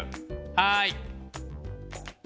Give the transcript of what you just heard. はい。